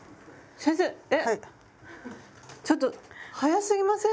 先生えっ⁉ちょっと早すぎません？